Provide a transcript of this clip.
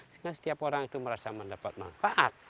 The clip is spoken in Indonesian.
sehingga setiap orang itu merasa mendapat manfaat